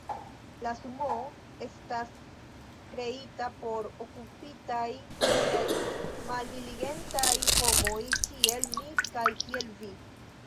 La Sumoo estas kreita por okupitaj, sed maldiligentaj homoj, kiel mi kaj kiel vi.